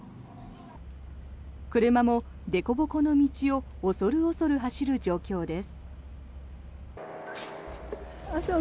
車もでこぼこの道を恐る恐る走る状況です。